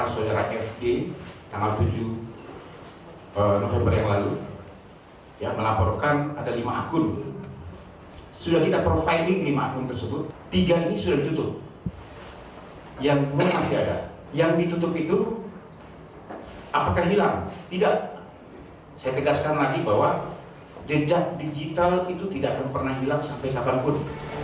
saya tegaskan lagi bahwa jejak digital itu tidak akan pernah hilang sampai kapanpun